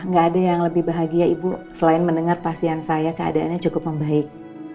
gak ada yang lebih bahagia ibu selain mendengar pasien saya keadaannya cukup membaik